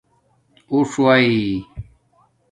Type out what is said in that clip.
اݸݽ وݺی